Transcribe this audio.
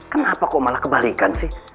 kenapa kok malah kebalikan sih